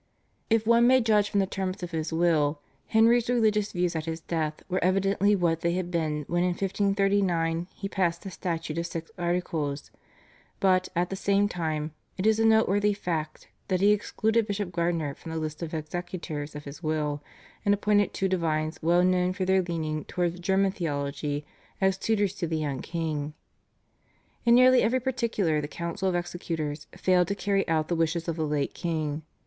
If one may judge from the terms of his will Henry's religious views at his death were evidently what they had been when in 1539 he passed the Statute of Six Articles, but, at the same time, it is a noteworthy fact that he excluded Bishop Gardiner from the list of executors of his will, and appointed two divines well known for their leaning towards German theology as tutors to the young king. In nearly every particular the council of executors failed to carry out the wishes of the late king.